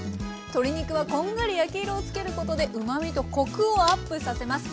鶏肉はこんがり焼き色をつけることでうまみとコクをアップさせます。